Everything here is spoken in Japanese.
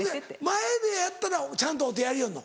前でやったらちゃんとお手やりよるの？